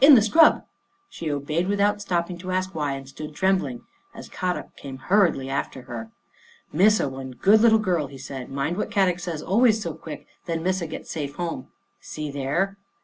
into the scrub! " She obeyed without stopping to ask why and stood trembling, as Kadok came hurriedly after her. " Missa one good little girl," he said. " Mind what Kadok say always so quick, then Missa get safe home. See there